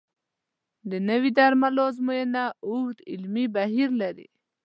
د نوي درملو ازموینه اوږد علمي بهیر لري.